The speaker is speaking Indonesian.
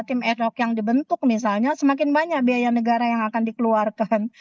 tim ad hoc yang dibentuk misalnya semakin banyak biaya negara yang akan dikeluarkan